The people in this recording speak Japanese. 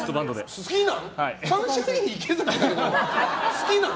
好きなの？